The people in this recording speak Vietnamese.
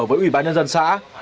với ủy ban nhân dân xã